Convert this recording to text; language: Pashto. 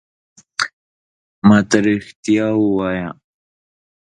ما ته رېښتیا ووایه !